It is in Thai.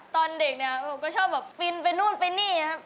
ตอนเด็กเนี่ยผมก็ชอบแบบฟินไปนู่นไปนี่ครับ